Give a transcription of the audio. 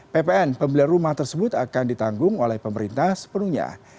ppn pembelian rumah tersebut akan ditanggung oleh pemerintah sepenuhnya